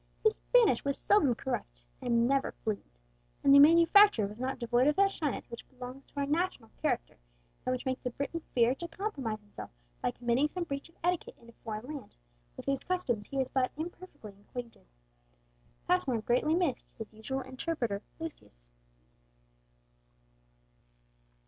His Spanish was seldom correct and never fluent, and the manufacturer was not devoid of that shyness which belongs to our national character, and which makes the Briton fear to compromise himself by committing some breach of etiquette in a foreign land, with whose customs he is but imperfectly acquainted. Passmore greatly missed his usual interpreter Lucius.